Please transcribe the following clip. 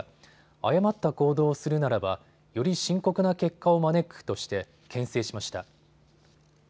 誤った行動をするならばより深刻な結果を招くとしてけん制しました。